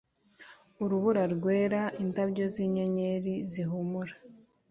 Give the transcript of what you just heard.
urubura rwera indabyo zinyenyeri zihumura